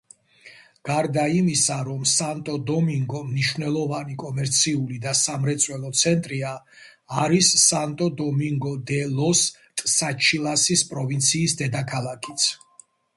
გარდა იმისა, რომ სანტო-დომინგო მნიშვნელოვანი კომერციული და სამრეწველო ცენტრია, არის სანტო-დომინგო-დე-ლოს-ტსაჩილასის პროვინციის დედაქალაქიც.